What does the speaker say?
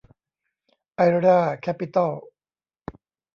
ไอร่า แคปปิตอล